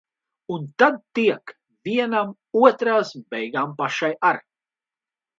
Un tad tiek. Vienam, otram, beigās pašai ar.